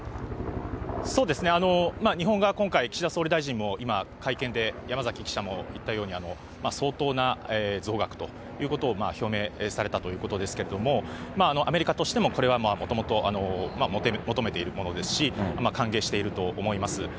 そうですね、日本側、今回、岸田総理大臣も今、会見で、山崎記者も言ったように、相当な増額ということを表明されたということですけども、アメリカとしてもこれはもともと求めているものですし、歓迎していると思います。